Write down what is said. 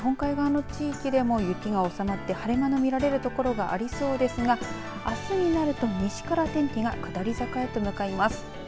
このあと日本海側の地域でも収まって晴れ間の見られる所がありますがあすになると西から天気が下り坂へと向かいます。